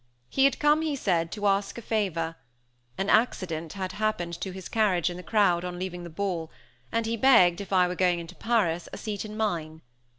He had come, he said, to ask a favor. An accident had happened to his carriage in the crowd on leaving the ball, and he begged, if I were going into Paris, a seat in mine.